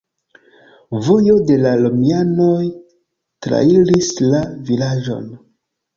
Vojo de la romianoj trairis la vilaĝon.